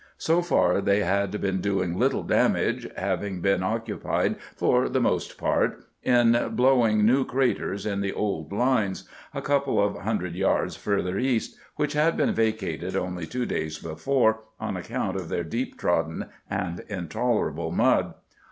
So far they had been doing little damage, having been occupied, for the most part, in blowing new craters in the old lines, a couple of hundred yards further east, which had been vacated only two days before on account of their deep trodden and intolerable mud.